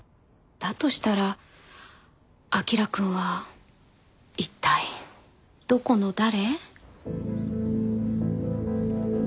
だとしたら彬くんは一体どこの誰？